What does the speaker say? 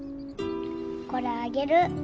これあげる。